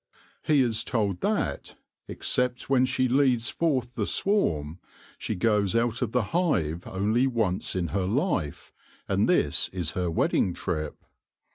He is told that, except when she leads forth the swarm, she goes out of the hive only once in her life, and this is her wedding trip.